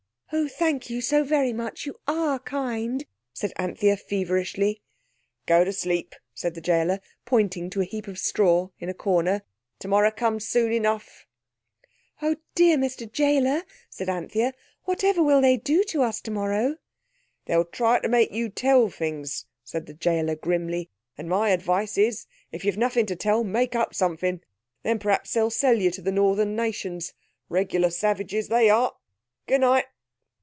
"Oh, thank you so very much. You are kind," said Anthea feverishly. "Go to sleep," said the gaoler, pointing to a heap of straw in a corner; "tomorrow comes soon enough." "Oh, dear Mr Gaoler," said Anthea, "whatever will they do to us tomorrow?" "They'll try to make you tell things," said the gaoler grimly, "and my advice is if you've nothing to tell, make up something. Then perhaps they'll sell you to the Northern nations. Regular savages they are. Good night."